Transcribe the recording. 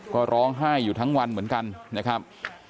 ก็ร้องไห้อยู่ทั้งวันเหมือนกันนะครับ